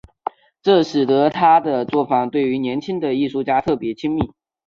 这使得他的作坊对于年轻的艺术家特别亲密。